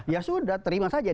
ya sudah terima saja